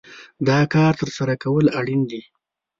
دا کار ترسره کول اړين دي.